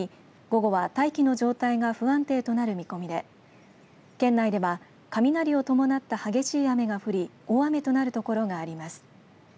午後は大気の状態が不安定となる見込みで県内では雷を伴った激しい雨が降り大雨となる所があります。